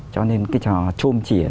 cho nên cái trò trôm chỉ